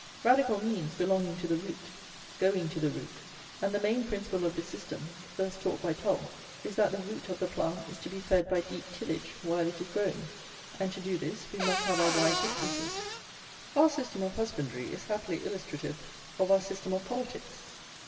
Radical means, belonging to the root; going to the root. And the main principle of this system (first taught by Tull) is that the root of the plant is to be fed by deep tillage while it is growing; and to do this we must have our wide distances. Our system of husbandry is happily illustrative of our system of politics.